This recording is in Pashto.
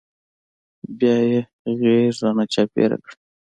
بيا يې غېږ رانه چاپېره کړه.